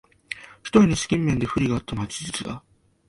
ひとえに資金面で不利があったのは事実だ